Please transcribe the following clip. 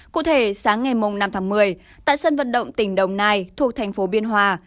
cụ thể sáng ngày năm tháng một mươi tại sân vận động tỉnh đồng nai thuộc thành phố biên hòa